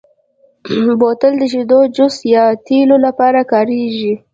بوتل د شیدو، جوس، یا تېلو لپاره کارېږي.